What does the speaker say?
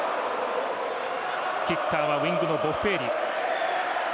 キッカーはウイングのボッフェーリ。